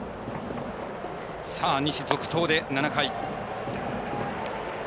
西続投で７回。